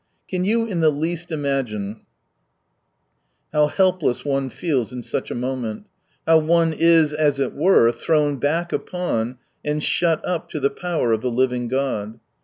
Can you in the least imagine how helpless one feels in such a moment — how one is, as it were, thrown back upon, and shut up to the power of the living God